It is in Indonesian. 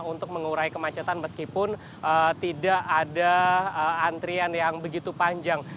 untuk mengurai kemacetan meskipun tidak ada antrian yang begitu panjang